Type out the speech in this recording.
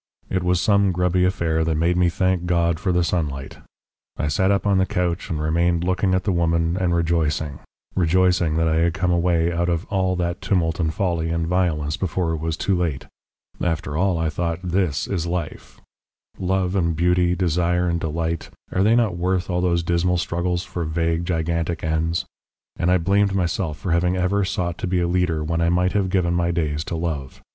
It was some grubby affair that made me thank God for the sunlight. I sat up on the couch and remained looking at the woman and rejoicing rejoicing that I had come away out of all that tumult and folly and violence before it was too late. After all, I thought, this is life love and beauty, desire and delight, are they not worth all those dismal struggles for vague, gigantic ends? And I blamed myself for having ever sought to be a leader when I might have given my days to love.